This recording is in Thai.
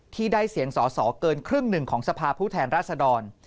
ที่ได้เสียงสอสอเกินครึ่งหนึ่งของสภาพผู้แทนราชดร